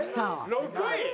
６位？